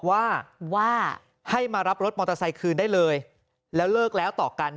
ว่าว่าให้มารับรถมอเตอร์ไซค์คืนได้เลยแล้วเลิกแล้วต่อกัน